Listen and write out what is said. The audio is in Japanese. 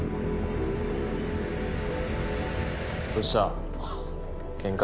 どうした？